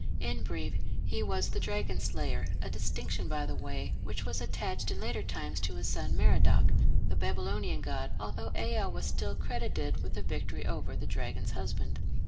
In brief, he was the dragon slayer, a distinction, by the way, which was attached in later times to his son Merodach, the Babylonian god, although Ea was still credited with the victory over the dragon's husband.